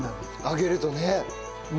揚げるとね。